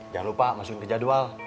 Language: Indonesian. jangan lupa masukin ke jadwal